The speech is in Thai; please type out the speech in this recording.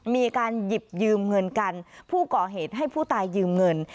มีการหยิบยืมเงินกันผู้ก่อเหตุให้ผู้ตายยืมเงิน